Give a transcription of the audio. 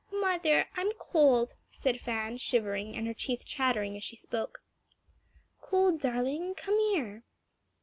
"Mother, I'm cold," said Fan shivering, and her teeth chattering as she spoke. "Cold, darling? Come here."